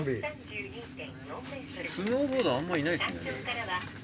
スノーボードあんまいないっすね。